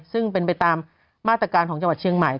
ซึ่งเป็นไปตามมาตรการของจังหวัดเชียงใหม่